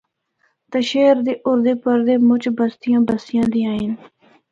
تے شہر دے اُردے پَردے مُچ بستیاں بسیاں دیّاں ہن۔